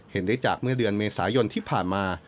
เห็นได้จากเมื่อเดือนเมษายนที่ผ่านมา